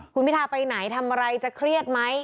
คุณพิทาไปไหนทำอะไรจะเครียดไหม